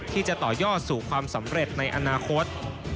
ที่จะต่อยอดสู่ความสำเร็จในอนาคต